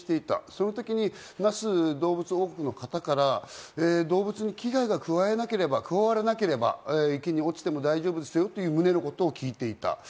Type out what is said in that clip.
その時に那須どうぶつ王国の方から動物に危害が加わらなければ池に落ちても大丈夫ですよという旨のことを聞いていた。